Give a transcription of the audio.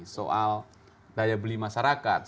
soal daya beli masyarakat